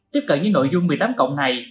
tiếp cận những nội dung một mươi tám cộng này